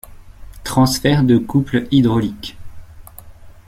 Transfert de couple hydraulique.